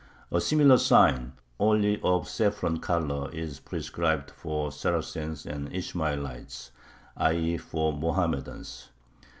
A similar sign, only of saffron color, is prescribed for "Saracens and Ishmaelites," i. e. for Mohammedans.